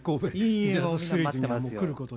いえ待ってますよ。